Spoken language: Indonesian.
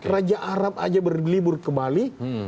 raja arab aja berlibur ke bali